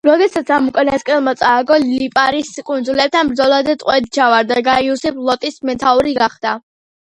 როდესაც ამ უკანასკნელმა წააგო ლიპარის კუნძულებთან ბრძოლა და ტყვედ ჩავარდა, გაიუსი ფლოტის მეთაური გახდა.